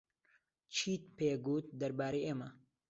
چیت پێ گوت دەربارەی ئێمە؟